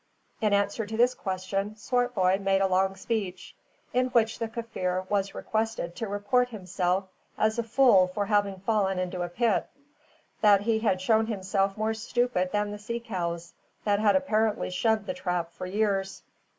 In answer to this question, Swartboy made a long speech, in which the Kaffir was requested to report himself as a fool for having fallen into a pit, that he had shown himself more stupid than the sea cows, that had apparently shunned the trap for years.